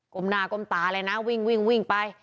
กลมหนากลมตาเลยนะวิ่งไป